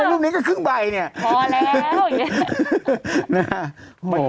รูปนี้ก็ครึ่งใบเนี่ยพอแล้ว